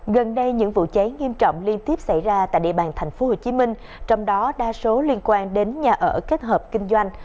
gần đây những vụ cháy nghiêm trọng liên tiếp xảy ra tại địa bàn thành phố hồ chí minh trong đó đa số liên quan đến nhà ở kết hợp kinh doanh